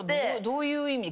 どういう意味？